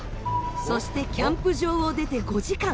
そしてキャンプ場を出て５時間。